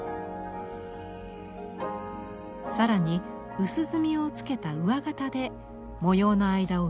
更に薄墨をつけた上形で模様の間を埋めていきます。